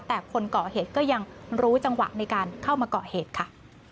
แต่คนก่อเหตุก็ยังรู้จังหวะในการเข้ามาก่อเหตุค่ะ